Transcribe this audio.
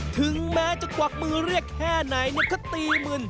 ถึงแม้จะกวักมือเรียกแค่ไหนก็ตีมึน